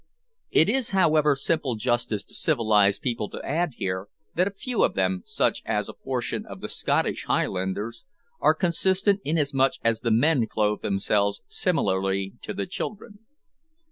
It is however simple justice to civilised people to add here that a few of them, such as a portion of the Scottish Highlanders, are consistent inasmuch as the men clothe themselves similarly to the children.